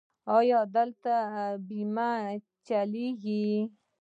ایا دلته بیمه چلیږي؟